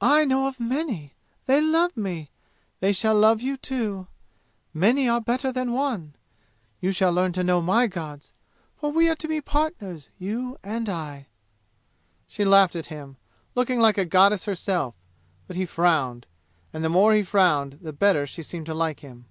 "I know of many! They love me! They shall love you, too! Many are better than one! You shall learn to know my gods, for we are to be partners, you and I!" She laughed at him, looking like a goddess herself, but he frowned. And the more he frowned the better she seemed to like him.